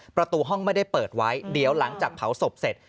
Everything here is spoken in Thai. ประตูห้องไม่ได้เปิดไว้เดี๋ยวหลังจากเผาศพเสร็จ